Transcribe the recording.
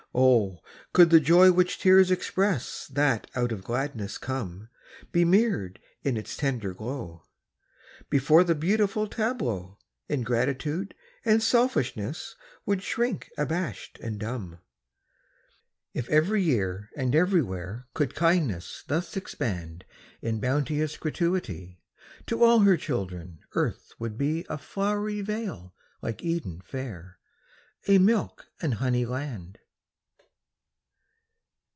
Oh, could the joy which tears express That out of gladness come Be mirrored in its tender glow, Before the beautiful tableau Ingratitude and selfishness Would shrink abashed and dumb! If every year and everywhere Could kindness thus expand In bounteous gratuity, To all her children earth would be A flowery vale like Eden fair, A milk and honey land.